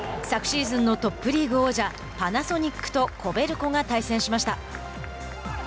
昨シーズンのトップリーグ王者パナソニックとコベルコが対戦しました。